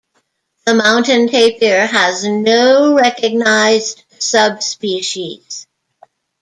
The mountain tapir has no recognised subspecies.